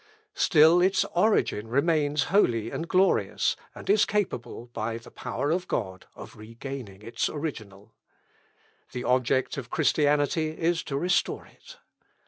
Still its origin remains holy and glorious, and is capable, by the power of God, of regaining its original. The object of Christianity is to restore it.